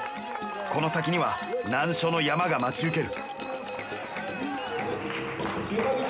この先には難所の山が待ち受ける。